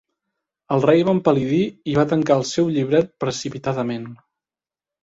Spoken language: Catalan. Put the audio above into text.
El rei va empal·lidir i va tancar el seu llibret precipitadament.